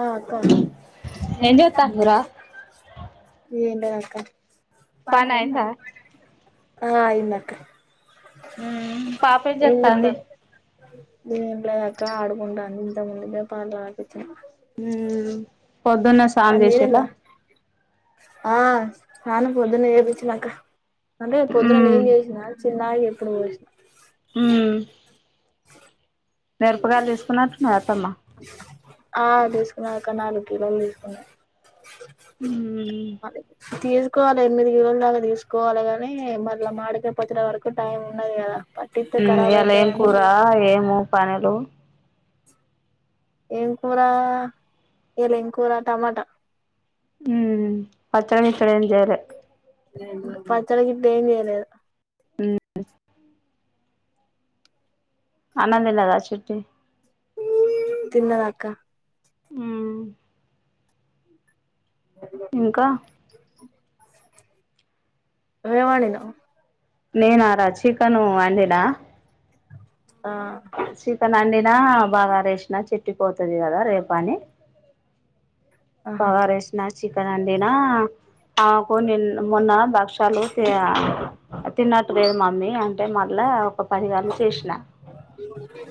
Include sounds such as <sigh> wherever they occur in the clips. ఆహ్ అక్క ఏం. అక్క పని అయిందా ఆహ్ అయిందక్క. ఉమ్ పాపెమ్ చేస్తాంది. ఏంలేదు అక్క ఆడుకుంటుంది ఇంతకు ముందే పాలు పట ఉమ్ పొద్దున్న స్నానం చేసింల. ఆహ్ స్నానం ప్రోదున్నే చేపించిన అక్కా. అంటే పొద్దున ఉమ్ నేను చేసిన చిన్నాకి ఇప్పుడు పోసిన. మిరుపగారేలు చేసుకున్నట్టుంది అత్తమ్మ. ఆహ్ తీసుకున్నా అక్క నాలుగు కిలోలు తీసుకున్నా. అవి తీసు. తీసుకోవాలి ఎనిమిది కిలోల దాకా తీసుకోవాలి గాని మళ్ళీ మాడికాయ పచ్చడ వరకు టైం ఉండాదు కదా. పట్టిత్తే ఉమ్ ఖరాబ్ ఇయలా అయితది ఏం అని కూర ఏము పనులు. ఏం కూరా ఇయాలా ఏం కూర టమాటా. ఉమ్ పచ్చడి గిచ్చడి ఏం చేయలే. పచ్చడి గిట్లా ఏం చేయలేదా. ఉమ్. అన్నం తిన్నదా చిట్టి. తిన్నాదక్కా. ఉమ్. ఇంకా. ఏం వండినావు. నేను రా చికెను వండినా. ఆ చికెను వండినా బగారా చేసినా చెట్టి పోతది కదా రేపా అని. ఆహా బాగారా చేసిన చికెను వండినా. నాకు నిన్న మొన్న భక్షలు తీ ఆహ్ తిన్నట్టు లేదు మమ్మీ అంటే మళ్ళా. ఒక పదిగం చేష్న <unintelligible>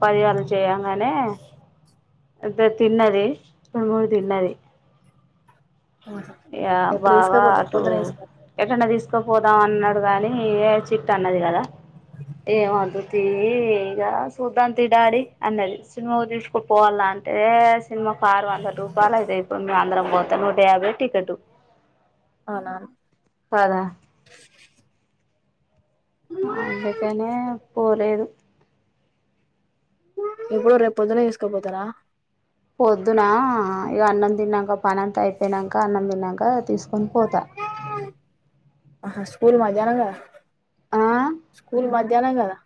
పదిగల చెయ్యంగనే అంతె తిన్నది ప మూడు తిన్నది ఆహా యా ఎప్పుడు వావా తీసుకపోతావ్ టూ పొద్దున తీసుకపో ఎటన్నదీస్ తీస్కపోదాం అన్నడు గాని చిట్టన్నది గదా ఏమాద్దు తీ ఇగ సుదాంతి డాడి అన్నది సిన్మాకు తీస్క పోవాల్ల అంటే సిన్మకు ఆరు వందల రూపాలైతయ్ ఇప్పుడు మేమందరం బోతే నూట యాభై టి కటు అవునా కాదా అందుకనే పోలేదు ఇప్పుడు రేపోద్దున తీస్కపోతరా పొద్దునా ఇగ అన్నం తిన్నంక పనంత ఐపోయ్నంక అన్నం తిన్నంక తీస్కొని పోత ఆహా స్కూల్ మధ్యానం గదా స్కూల్ మధ్యానం గదా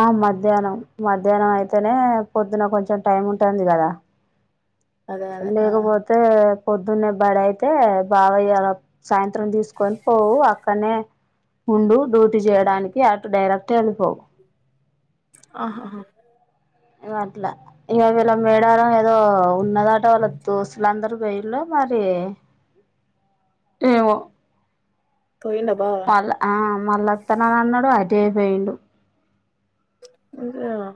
ఆ మధ్యానం మధ్యానం ఐతేనే పొద్దున కొంచెం టైం ఉంటంది గదా అదే అదే ఆ లేకపోతే పొద్దున్నే బడి ఐతే బావీయ్యాల సాయంత్రం తీస్కోని పోవు అక్కన్నే ఉండు డ్యూటీ చేయడానికి అటు డైరక్ క్ట్ ఎల్లిపొవ్ ఆహా ఇగట్లా ఇగ వీళ మేడారం ఏదో ఉన్నదట వాళ్ళ దోస్తులందరు బైల్లో మరి ఏమో పోయిండా బావ మళ ఆ మల్లత్తనన్నడు అటే పేండు ఇంగా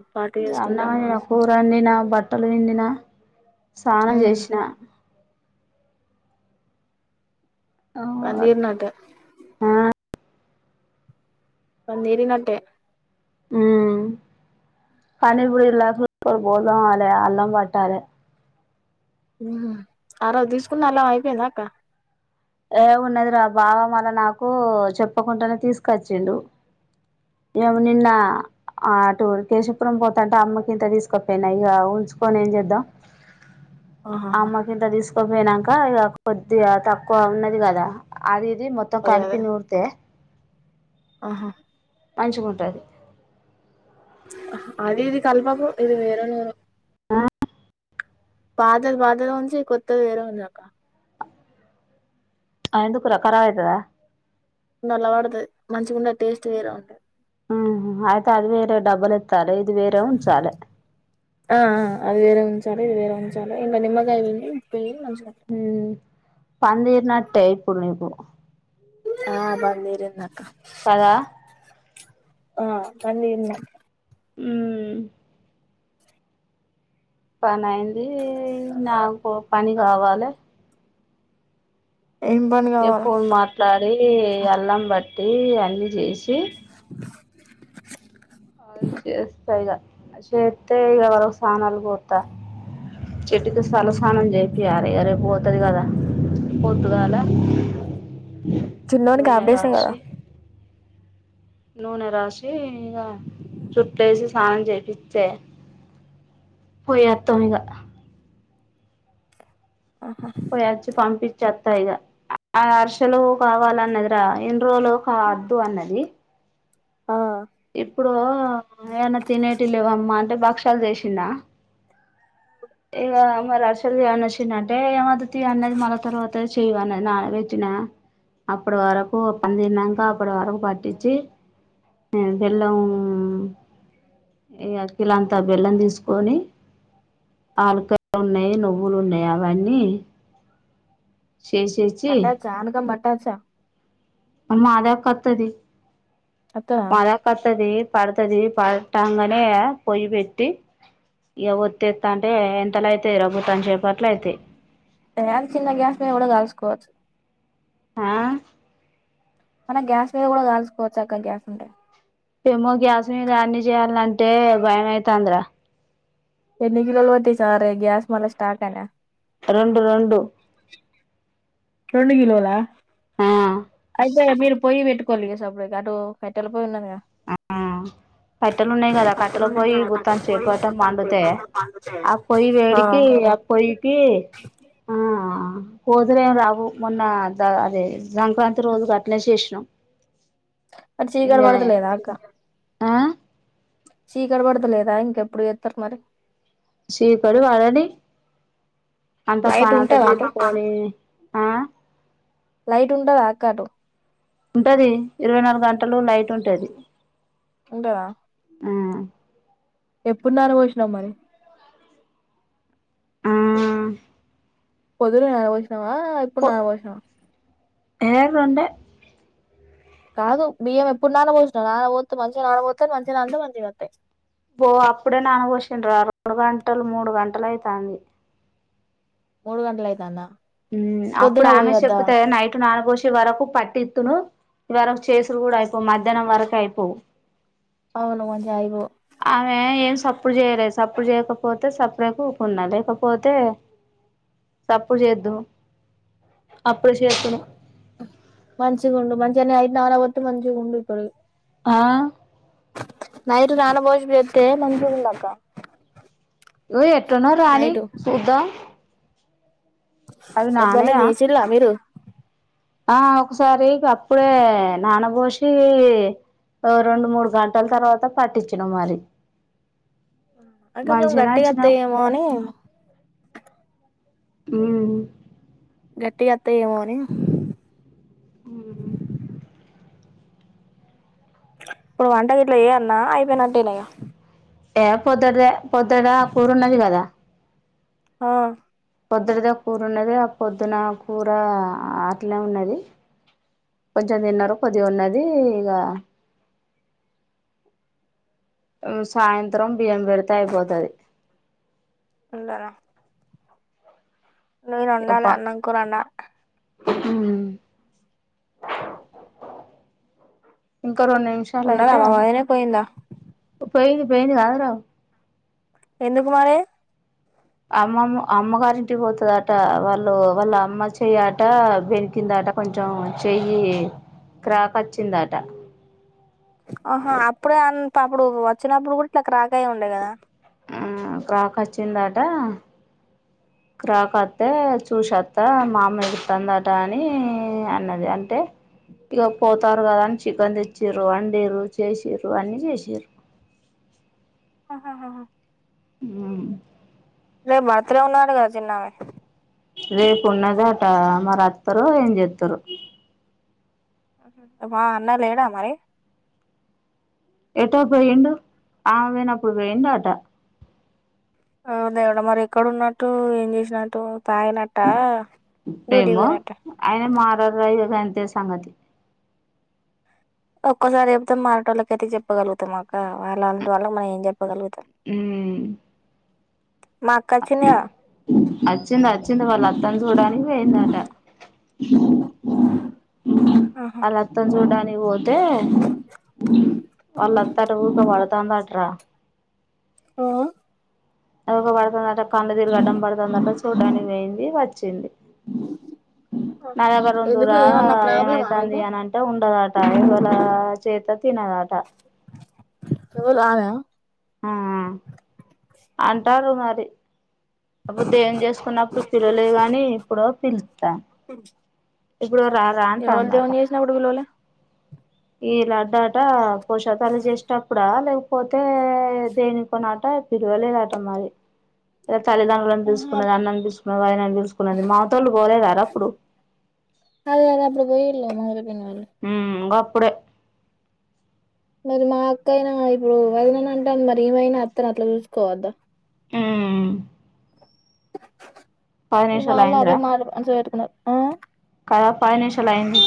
అన్నం అండిన, కూర అండినా, బట్టలు పిండిన, సానం ఉమ్ జేశ్న ఆ పందీరీనట ఆ పని దీరినట్టే ఉమ్ పని పోయల్లు కు బోలుదోమాలే అల్లం బట్టాలే ఉహు ఆ రోజ్ తీస్కున్న అల్లం ఐపోందాక్క ఏ ఉన్నద్రా బావ మొన్న నాకు చెప్పకుంటనే తీస్కచ్చిండు ఎవ్ నిన్నా ఆ టూ కేశపురం పోతాంటే అమ్మకింత తీస్కపోయినా ఇగ ఉంచుకొని ఏం జేద్దం ఆహాహా అమ్మకింత తీస్కోపోయినంక ఇగ కొద్దిగా ఉన్నది గదా అది ఇది మొత్తం కల్పి నూర్తే అహా మంచిగుంటది అది ఇది కల్పకు ఇది వేరే నూరు ఆ పాతది పాతదే ఉంచి కొత్తది వేర ఉందిగదక్క అ ఎందుక్రా కరాబ్ ఐతద నల్ల పడ్తది మంచిగుంద టేస్ట్ వేరె ఉంట ఆహ హ ఐతే అది వేరే డబ్బులెత్తాలె ఇది వేరే ఉంచాలే ఆ అ అది వేరే ఉంచాలే ఇది వేరే ఉంచాలే ఇల్ల నిమ్మకాయ బిండి ప్ప మంచిగా పనిదిరినట్టే ఇప్పుడ్ నీకు ఆ పనిదిరిందక్క కదా ఆ పన్దిరిన ఉమ్ పని ఐంది నాకొ పని గావాలే ఏం పని ఏ కావాల ఫోన్ మాట్లాడి అల్లం బట్టి అన్ని చేసి <inaudible> అ చేస్తా ఇగ చేతే ఇగ వాళ్లకు సనలు పొత్త చెటికి తలసన్నం చెపియాల రేపు పోతది కదా పొత్తుగాల చిన్నోనికి ఆపరేషన్ కదా నూనె రాసి ఇగా జుట్టు ఎసి స్నానం చేపిస్తే పోయిత్తం ఇక పోయాచి పంపించి చె త్తాగా ఆ అరుసలు కావాలన్నది రా ఇను రోజులు కా వద్దు అన్నది. ఆ ఇప్పుడు ఏం తినేటి లేవమ్మా అంటే భక్ష్యాలు చేసినా ఇగా మరి ఆరిశాలు చెయన్న చిన్న అంటే ఏమదు తీ అన్నది మన తర్వాత చేయి అన్నది. నానా పెట్టిన అప్పుడు వరకు పనిదిరినాకా అప్పుడు వరకు పట్టించి బెల్లము ఇగ కిలంతా బెల్లం తీసుకొని ఆలకయలు ఉన్నాయి నువ్వులు ఉన్నాయి అవన్నీ చేసేసి చా <inaudible> మాద కతది వత్తదా మాదకతది పడుతది పట్టంగానే పొయ్యి పెట్టి ఇగా ఒత్తిస్త అంటే ఎంతల అయితయి రా బుత్తాంత సేపట్ల అయితయి. చిన్న గ్యాస్ మీద కూడా కాలుసుకోవచ్చు. ఆ మన గ్యాస్ మీద కూడా కాల్చకోవచ్చు అక్క గ్యాస్ ఉంటాయి. ఏమో గ్యాస్ మీద అన్ని చేయాలంటే భయమైతాంది రా ఎన్ని కిలోలు వటి సరే గ్యాస్ మల స్టాక్ రెండు రెండు రెండు కిలోలా హ అయితే మీరు పోయి పెట్టుకోవాలి సపేరెటు అటు కట్టెల పోయి ఉన్నదిగా ఆ కట్టెలు ఉన్నాయి కదా కట్టెలు పోయి పుత్తం చేపట మండుతే ఆ పొయి ఆ వేడికి పోయికి ఆ కోతులు ఏం రావు మొన్న అదే సంక్రాంతి రోజుకు అట్లే చేసినం అటు చీకటి పడతలేదా అక్క ఆ చీకటి పడత లేదా ఇంకెప్పుడు జెతరు మరి చికాడు వడని అంత లైట్ పని ఉంటదా అటు తీరుపుకొని ఆ లైట్ ఉండద ఆక్క అటు ఉంటది ఇరవై నాలుగు గంటలు లైటు ఉంటది ఉంటదా హ ఎప్పుడు న్ననవోసినాం మరి ఆ పొదున నాపోసినవా ఇప్పుడు పో నాపోసినవా ఏ రొండే కాదు బియ్యం ఎప్పుడు నావోసినవ్ నాన్వోతే మంచిగా నాన్నబోతే మంచిగా నాంతే మంచిగా వతాయి పో అప్పుడే నాన ఓసిండ్రు రా రెండు గంటలు మూడు గంటలు అయితంది ముడుగంటలు అయ్యితాద ఉ అప్పుడు ఆమె చెప్పుతే నైటు నాన్న పోసే తీ వరకు పట్టిత్తును ఇవరకు చేసుడు కూడా అయిపోవు మధ్యానం వరక అయిపోవు అవును మంచిగాఐపోవ్ ఆమె ఏం సప్పుడు చేయలే సప్పుడు చేయకపోతే సప్పుడ వుకున్నా లేకపోతే సప్పుడు జెయదు మంచిగా ఉండు మంచిగానే ఐదు నాన్నవోతే మంచిగా ఉండు ఇప్పుడు ఆ నైటు నానభోసి పెడితే మంచిగుండు అక్క ఉ ఎటనో రాని నైటు చూద్దాం అవి ఎప్పుడన్నా నానయా జెసిలా మీరు ఆ ఒకసారి అప్పుడే నానవోషి ఓ రెండు మూడు గంటల తర్వాత పట్టించిన మరి అ కొం మంచిగనే గట్టిగా వత్తాయేమో అని ఉ గట్టిగా అత్తఏమో అని ఇప్పుడు వంటగిట్ల జేయాల్నా అయిపోయినంటేన ఇగ ఏ పొద్దడదే పొద్దుడా కూరున్నది కదా ఆ పొద్దుటదే కూర ఉన్నది ఆ పొద్దున కూర అట్లే ఉన్నది కొంచెం తిన్నారు కొద్దిగ ఉన్నది ఇగ ఉ సాయంత్రం బియ్యం పెడితే అయిపోతది ఉండరా లేదు వండాలి అన్నం కూడారన్నా ఉ ఒక రెండు నిమిషాలు ఉన్నదా అయితే మా వదినే పోయిందా పోయింది పోయింది కద్ర ఎందుకు మరే అమ్మమ్ అమ్మ గారింటికి పోతాదంట వాళ్ళు వాళ్ళ అమ్మ చెయ్యట బెణికింది అంట అట కొంచం చెయ్యి క్రాక్ వచ్చిందాట ఆహా అప్పుడే అంత అప్పుడు వచ్చినప్పుడు కూడా ఇట్లా క్రాక్ అయ్యి ఉండే కదా ఉ క్రాక్ వచ్చిందటా క్రాక్ వత్తే చూసోత్త మా అమ్మ ఎడుతుందట అని అన్నది అంటే ఇక పోతారు కదా అని చికెన్ తెచ్చిర్రు వండిర్రు చేసిర్రు అన్ని చేసిర్రు ఆహాహాహా ఉ రేపు బర్త్డే ఉన్నది అట కదా చిన్నమే రేపున్నది అట మరి వత్తరో ఏం చెత్తరో ఆహా మా అన్న లేడా మరి ఎటో పోయిండు ఆమె పోయినప్పుడు పోయిండు అట ఓ దేవుడా మరి ఎక్కడ ఉన్నట్టు ఏం చేసినట్టు తాగినట్ట డ్యూటీ ఏమో పోయినట్ట ఆయన మారారు రాయ్ రు తె సంగతి ఒక్కోసారి చెప్తాం మారటొళ్లకి అయితే చెప్పగలుగుతాం అక్క వాళ్ళ అలాంటి వాళ్ళం మనం ఏం చెప్పగలుగుతా ఉ మా అక్క వచ్చిందిగా అచ్చింది అచ్చింది వాళ్ళ అత్తను చూడానికి పోయింది అట ఆహా. ఆళ్ల అత్తను చూడానికి పోతే వాళ్ళ అత్త అట ఊరికే పొదురుతోంది అటరా ఆ అది ఊకె పడుతుందట కన్లు తీరిగి అడ్డం పడుతుందట చూడ్డానికి పోయింది వచ్చింది నా దగ్గర ఎందుకు ఉండురా ఏమన్నా ప్రాబ్లమా ఏమైతాంది మీకు అని అంటే ఉండదు అట ఎవలు చేత తినదట అహ్ ఎవలు ఆమేనా ఆ అంటార్రు మరి అప్పుడు దేం చేసుకున్నప్పుడు పిల్లలే గాని ఇప్పుడు పిల్లుత్త ఇప్పుడు రాదా ఎవళ అంటాంది అట దేవుని చేసినప్పుడు పిలవలే ఈ లడ్డాట పోషాపల్లి చేసేటప్పుడా లే పోతే దేనికొనట పిలువలేదట మరి ఏ తల్లిదండ్రులను ఆహా పిలుసుకున్నది అన్నన్ని పిలుసుకున్నది వదినని పిలుసుకున్నది మమతాలు పోలేదారా అప్పుడు అదే అదే అప్పుడు పోయిర్లే మంగ పిన్ని వొళ్ళు ప్పుడే మరి మా అక్క అయినా ఇప్పుడు వదినని అంటాను మరి ఈమైనా అత్తను అట్లా చూసుకోవద్దా మ్ ఇవాళ అదే అయిందిరా మారి మంచిగ పెటుకున్నాది ఆ కద పది నిమిషాలు అయింది